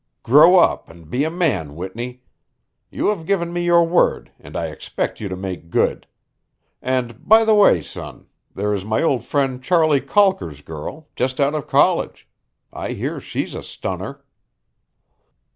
Grow up and be a man, Whitney. You have given me your word and I expect you to make good. And by the way, son, there is my old friend Charley Calker's girl, just out of college. I hear she's a stunner."